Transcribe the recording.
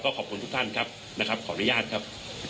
ขอบคุณทุกท่านครับนะครับขออนุญาตครับ